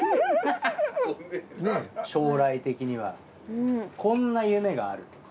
将来的にはこんな夢があるとか。